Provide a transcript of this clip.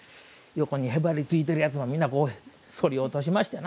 横にへばりついてるやつもそり落としまして。